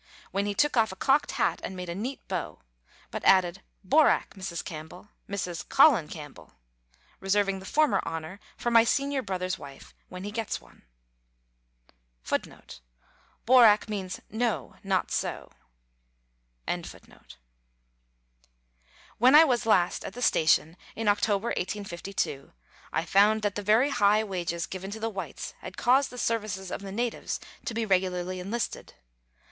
when he took off a cocked hat and made a neat bow, but added, "Borak 1 Mrs. Campbell Mrs. Colin Campbell"; reserving the former honour for my senior brother's wife when he gets one. When I was last at the station in October 1852, 1 found that the very high wages given to the whites had caused the services of the natives to be regularly enlisted.